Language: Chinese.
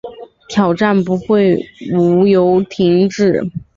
挑战不会无由停止